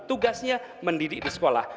tugasnya mendidik di sekolah